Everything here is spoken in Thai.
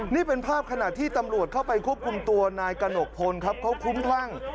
นี่เป็นภาพขณะที่ตำรวจเข้าไปควบคุมตัวนายกระหนกพลครับเขาคุ้มคลั่ง